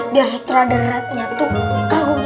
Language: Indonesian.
biar sutradaranya tuh kagumnya mau